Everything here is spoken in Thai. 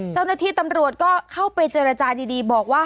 เจ้าหน้าที่ตำรวจก็เข้าไปเจรจาดีบอกว่า